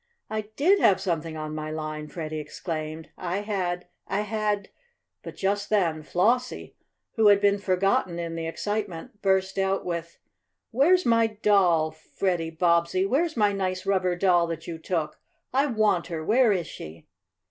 "I did have something on my line," Freddie exclaimed. "I had I had " But just then Flossie, who had been forgotten in the excitement, burst out with: "Where's my doll, Freddie Bobbsey? Where's my nice rubber doll that you took? I want her! Where is she?"